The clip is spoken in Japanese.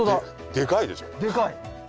でかい。